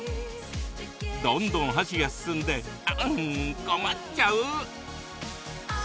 どんどん箸が進んでうーん、困っちゃう！